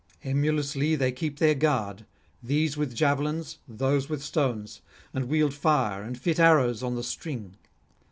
Emulously they keep their guard, these with javelins, those with stones, and wield fire and fit arrows on the string.